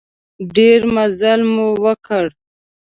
ډېر مزل مو وکړ.